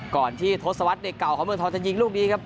ก่อนที่ทศวรรษเด็กเก่าของเมืองทองจะยิงลูกนี้ครับ